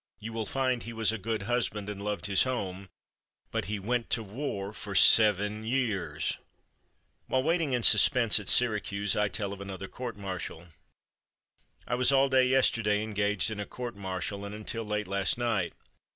You will find he was a good husband and loved his home, but he went to war for seven years!" While waiting in suspense at Syracuse, I tell of another court martial: "I was all day yesterday engaged in a court martial and until late last night.